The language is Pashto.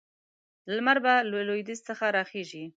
لمر به له لویدیځ څخه راخېژي.